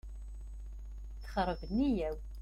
Texreb nniyya-w.